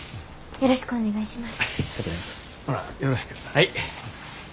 よろしくお願いします。